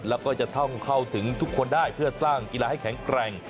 แล้วก็จะท่องเข้าถึงทุกคนได้เพื่อสร้างกีฬาให้แข็งแกร่ง